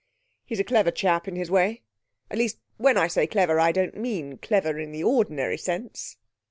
'He's a clever chap in his way. At least, when I say clever, I don't mean clever in the ordinary sense.'